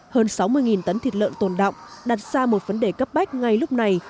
hơn sáu mươi tấn thịt lợn tồn động đặt ra một vấn đề cấp bách ngay lúc này